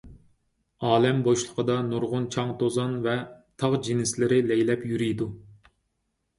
ئالەم بوشلۇقىدا نۇرغۇن چاڭ-توزان ۋە تاغ جىنسلىرى لەيلەپ يۈرىدۇ.